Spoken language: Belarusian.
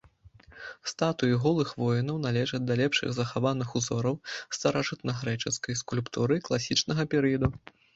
Статуі голых воінаў належаць да лепшых захаваных узораў старажытнагрэчаскай скульптуры класічнага перыяду.